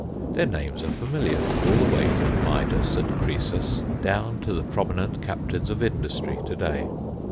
Their names are familiar, all the way from Midas and Croesus down to the prominent captains of industry today.